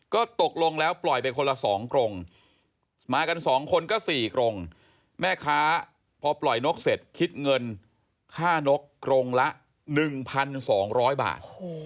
ก็ตกลงแล้วปล่อยไปคนละ๒กรงมากัน๒คนก็๔กรงแม่ค้าพอปล่อยนกเสร็จคิดเงินค่านกกรงละ๑๒๐๐บาท